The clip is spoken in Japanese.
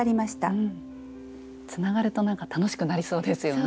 つながるとなんか楽しくなりそうですよね。